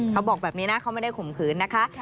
เขาบอกแบบนี้นะเขาไม่ได้ข่มขืนนะคะ